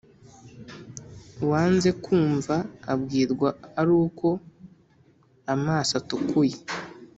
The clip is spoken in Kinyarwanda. Uwanze kwumva abwirwa ari uko amaso atukuye.